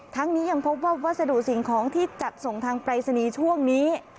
ทั้งนี้ยังพบว่าวัสดุสิ่งของที่จัดส่งทางปรายศนีย์ช่วงนี้